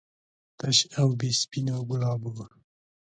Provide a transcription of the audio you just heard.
تش او بې سپینو ګلابو و.